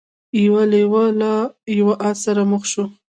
یو لیوه له یو آس سره مخ شو.